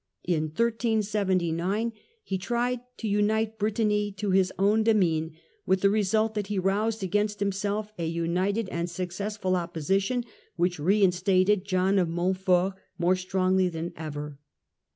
In 1379 he tried to unite Brittany to his own demesne, with the re sult that he roused against himself a united and success ful opposition, which re instated John of Montfort more strongly than ever.